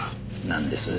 なんです？